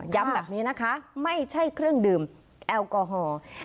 แบบนี้นะคะไม่ใช่เครื่องดื่มแอลกอฮอล์